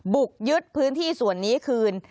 บุกยึดพื้นที่ส่วนนี้คืน